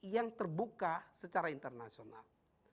yang terbuka secara internasional